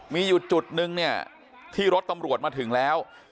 มีอยู่จุดนึงเนี่ยที่รถตำรวจมาถึงแล้ว